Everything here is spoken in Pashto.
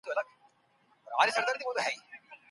لویان بېلابېلې نښې د ذهني فشار تجربه کوي.